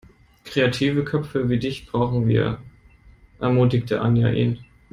Kreative Köpfe wie dich brauchen wir, ermutigte Anja ihn.